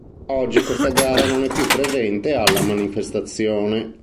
Oggi questa gara non è più presente alla manifestazione.